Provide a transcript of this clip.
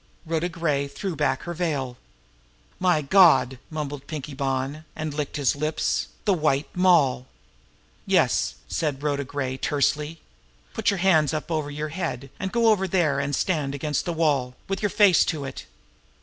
Rhoda Gray threw back her veil. "My Gawd!" mumbled Pinkie Bonn and licked his lips. "The White Moll!" "Yes!" said Rhoda Gray tersely. "Put your hands up over your head and go over there and stand against the wall with your face to it!"